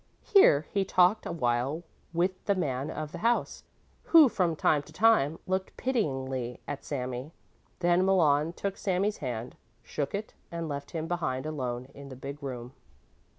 Here he talked a while with the man of the house, who from time to time looked pityingly at Sami. Then Malon took Sami's hand, shook it and left him behind alone in the big room.